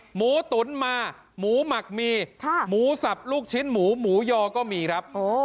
หมูตุ๋นมาหมูหมักมีหมูสับลูกชิ้นหมูหมูยอก็มีครับ